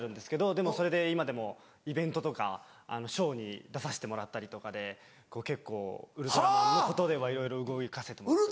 でもそれで今でもイベントとかショーに出させてもらったりとかでこう結構ウルトラマンのことではいろいろ動かせてもらってます。